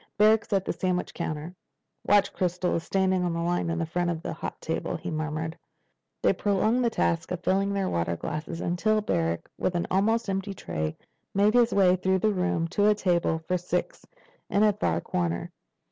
"Barrack's at the sandwich counter. Watch Crystal is standing in line in front of the hot table," Ken murmured. They prolonged the task of filling their water glasses until Barrack, with an almost empty tray, made his way through the room to a table for six in a far corner.